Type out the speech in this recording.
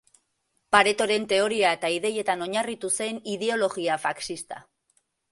Paretoren teoria eta ideietan oinarritu zen ideologia faxista.